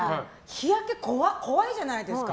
日焼け怖いじゃないですか。